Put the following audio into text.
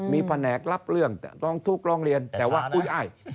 มีแผนกรับเรื่องต้องทุกรองเรียนแต่ว่ากูอ้าย